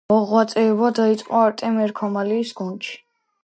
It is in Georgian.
მოღვაწეობა დაიწყო არტემ ერქომაიშვილის გუნდში.